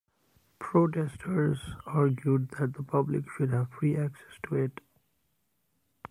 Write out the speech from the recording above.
Protesters argued that the public should have free access to it.